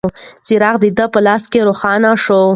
څراغ د ده په لاس روښانه شو.